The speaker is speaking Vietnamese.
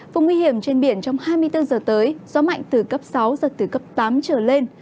vùng nguy hiểm trên biển trong hai mươi bốn giờ tới gió mạnh từ cấp sáu giật từ cấp tám trở lên